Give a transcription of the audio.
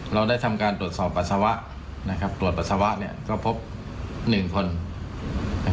เราได้ทำการตรวจสอบปัจฉวะตรวจปัจฉวะก็พบหนึ่งคน